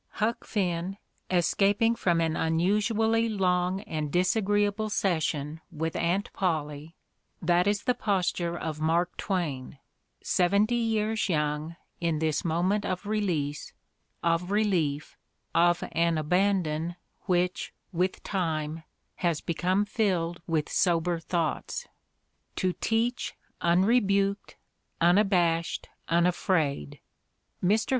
Huck Finn, escap ing from an unusually long and disagreeable session 248 The Ordeal of Mark Twain ■witli Aunt Polly — that is the posture of Mark Twain, seventy years young, in this moment of release, of re lief, of an abandon which, with time, has become filled with sober thoughts. To teach, unrebuked, unabashed, unafraid. Mr.